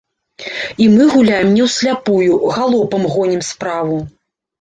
І мы гуляем не ў сляпую, галопам гонім справу.